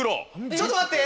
ちょっと待って！